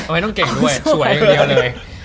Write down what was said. ไม่ต้องเก่งด้วยสวยอย่างเดียวเลย